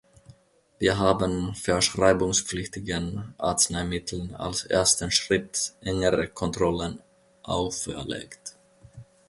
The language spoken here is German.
Wir haben verschreibungspflichtigen Arzneimitteln als ersten Schritt engere Kontrollen auferlegt.